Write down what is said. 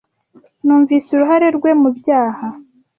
Numvise uruhare rwe mubyaha.